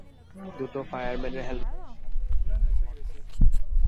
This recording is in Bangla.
দুটো ফায়ারমেনের হেলমেটের সাথে আমার হট ডেট আছে।